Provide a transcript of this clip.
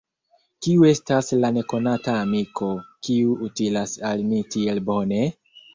Kiu estas la nekonata amiko, kiu utilas al ni tiel bone?